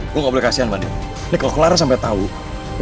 tentu saja juga kondisi putri pun nyari putri